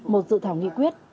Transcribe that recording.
một dự thảo nghị quyết